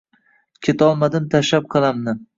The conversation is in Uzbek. Ketolmadim tashlab qalamni